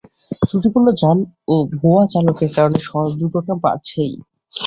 ত্রুটিপূর্ণ যান ও ভুয়া চালকের কারণে সড়ক দুর্ঘটনা বাড়ছেই।